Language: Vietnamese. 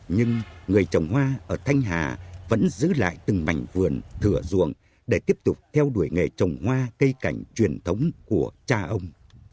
nhưng người trồng hoa ở thanh hà vẫn giữ lại từng mảnh vườn thửa ruộng để tiếp tục theo đuổi nghề trồng hoa cây cảnh truyền thống của cha ông